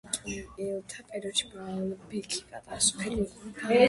ფინიკიელთა პერიოდში ბაალბექი პატარა სოფელი იყო.